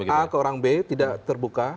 a ke orang b tidak terbuka